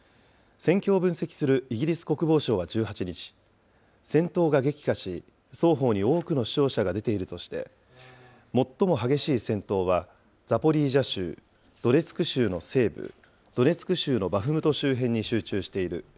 戦況を分析するイギリス国防省は１８日、戦闘が激化し、双方に多くの死傷者が出ているとして、最も激しい戦闘はザポリージャ州、ドネツク州の西部、ドネツク州のバフムト周辺に集中している。